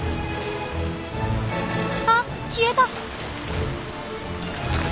あっ消えた！